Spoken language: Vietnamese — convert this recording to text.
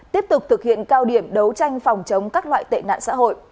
tiếp tục thực hiện cao điểm đấu tranh phòng chống các loại tệ nạn xã hội